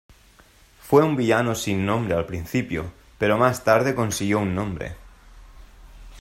Fue un villano sin nombre al principio, pero más tarde consiguió un nombre.